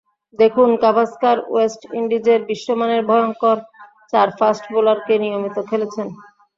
দেখুন, গাভাস্কার ওয়েস্ট ইন্ডিজের বিশ্বমানের ভয়ংকর চার ফাস্ট বোলারকে নিয়মিত খেলেছেন।